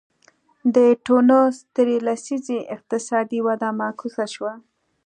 د ټونس درې لسیزې اقتصادي وده معکوسه شوه.